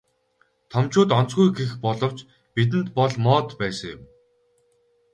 Томчууд онцгүй гэх боловч бидэнд бол моод байсан юм.